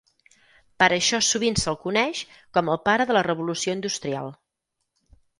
Per això sovint se'l coneix com el pare de la Revolució Industrial.